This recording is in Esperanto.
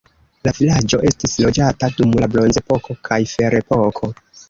La vilaĝo estis loĝata dum la bronzepoko kaj ferepoko.